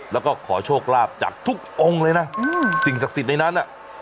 แล้วก็ขอโชคลาภจากทุกองค์เลยนะสิ่งศักดิ์สิทธิ์ในนั้นน่ะ